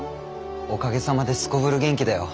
おかげさまですこぶる元気だよ。